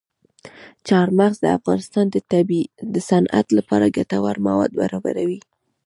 چار مغز د افغانستان د صنعت لپاره ګټور مواد برابروي.